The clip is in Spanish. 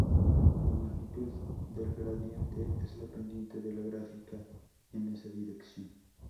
La magnitud del gradiente es la pendiente de la gráfica en esa dirección.